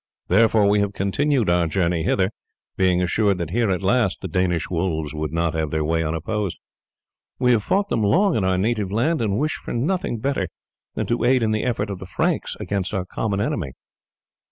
Therefore we have continued our journey hither, being assured that here at least the Danish wolves would not have their way unopposed. We have fought them long in our native land, and wish for nothing better than to aid in the efforts of the Franks against our common enemy."